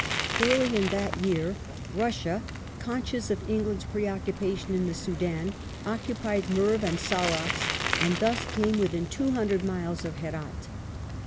Early in that year Russia, con scious of England's preoccupation in the Soudan, occupied Merv and Saraks, and thus came within 200 miles of Herdt.